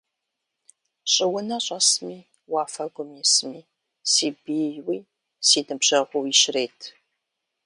Щӏыунэ щӏэсми, уафэгум исми, си бийуи си ныбжьэгъууи щрет.